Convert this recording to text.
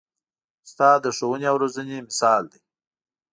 استاد د ښوونې او روزنې مثال دی.